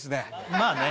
まあね